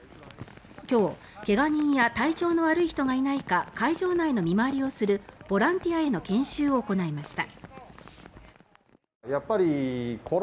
今日、怪我人や体調の悪い人がいないか会場内の見回りをするボランティアへの研修を行いました。